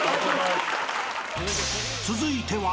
［続いては］